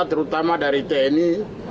terutama dari tni